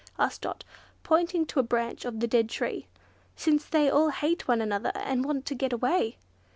asked Dot, pointing to a branch of the dead tree, "since they all hate one another and want to get away.